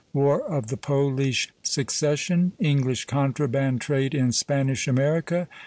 WAR OF THE POLISH SUCCESSION. ENGLISH CONTRABAND TRADE IN SPANISH AMERICA.